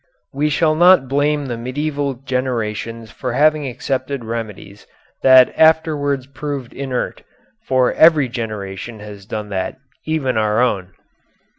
We shall not blame the medieval generations for having accepted remedies that afterwards proved inert, for every generation has done that, even our own.